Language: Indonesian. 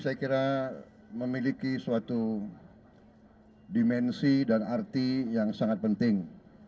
dan saya kira memiliki suatu dimensi dan arti yang sangat penting